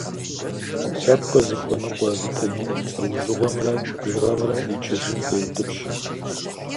Ӏэпкълъэпкъыр зыхуэныкъуэ витамин лӏэужьыгъуэмрэ бжыгъэмрэ и чэзум къеутӏыпщ.